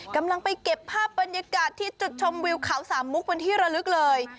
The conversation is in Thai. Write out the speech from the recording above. กำลังไปเก็บภาพบรรยากาศที่จุดชมวิวเขาสามมุกเป็นที่ระลึกเลย